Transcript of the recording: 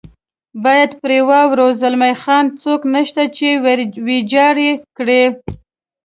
باید پرې واوړو، زلمی خان: څوک نشته چې ویجاړ یې کړي.